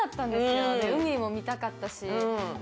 海も見たかったし。